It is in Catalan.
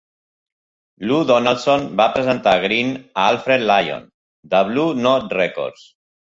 Lou Donaldson va presentar Green a Alfred Lion, de Blue Note Records.